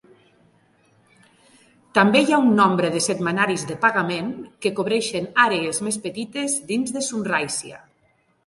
També hi ha un nombre de setmanaris de pagament que cobreixen àrees més petites dins de Sunraysia.